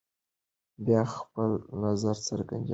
بیا خپل نظر څرګند کړئ.